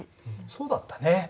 そうだったね。